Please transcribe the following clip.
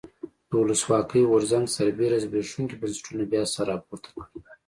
د ولسواکۍ غورځنګ سربېره زبېښونکي بنسټونه بیا سر راپورته کړي.